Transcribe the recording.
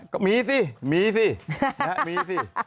ก็มีสิมีสิ